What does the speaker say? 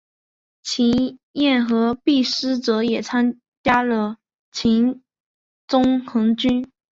秦彦和毕师铎也加入了秦宗衡军。